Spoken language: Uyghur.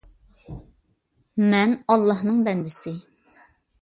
مەن ئاللاھنىڭ بەندىسى